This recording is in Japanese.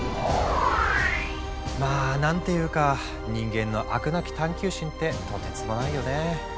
まあ何ていうか人間の飽くなき探求心ってとてつもないよね。